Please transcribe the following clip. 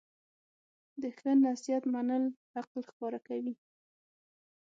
د ښه نصیحت منل عقل ښکاره کوي.